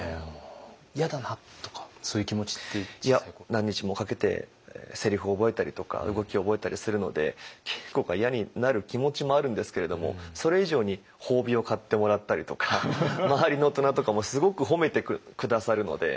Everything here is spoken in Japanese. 何日もかけてせりふを覚えたりとか動きを覚えたりするので稽古が嫌になる気持ちもあるんですけれどもそれ以上に褒美を買ってもらったりとか周りの大人とかもすごく褒めて下さるので。